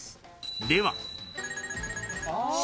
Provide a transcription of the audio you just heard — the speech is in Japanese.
［では］